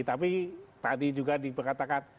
tapi tadi juga diberkatakan